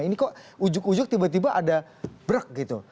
ini kok ujuk ujug tiba tiba ada brek gitu